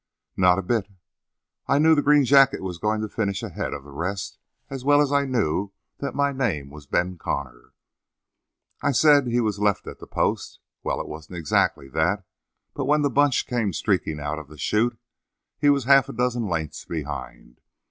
"Not a bit. I knew the green jacket was going to finish ahead of the rest as well as I knew that my name was Ben Connor. I said he was left at the post. Well, it wasn't exactly that, but when the bunch came streaking out of the shoot, he was half a dozen lengths behind.